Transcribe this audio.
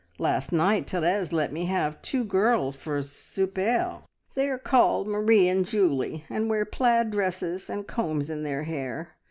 Last night Therese let me have two girls for souper. They are called Marie and Julie, and wear plaid dresses, and combs in their hair.